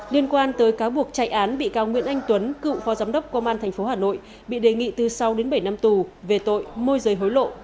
liên quan tới cáo buộc chạy án bị cáo nguyễn anh tuấn cựu phó giám đốc công an tp hà nội bị đề nghị từ sáu đến bảy năm tù về tội môi rời hối lộ